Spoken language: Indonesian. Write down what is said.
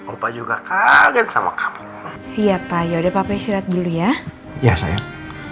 opa juga kaget sama kamu iya pak ya udah papa istirahat dulu ya ya sayang